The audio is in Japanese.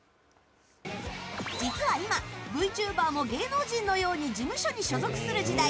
実は今、ＶＴｕｂｅｒも芸能人のように事務所に所属する時代。